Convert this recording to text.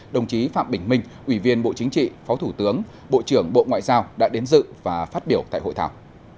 đồng chí phạm bình minh ủy viên bộ chính trị phó thủ tướng bộ trưởng bộ ngoại giao đã đến dự và phát biểu tại hội thảo